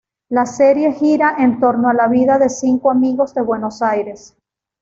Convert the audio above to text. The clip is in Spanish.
La serie gira en torno a la vida de cinco amigos de Buenos Aires.